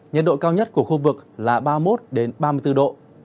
nhiệt độ cao nhất của khu vực là ba mươi một ba mươi bốn độ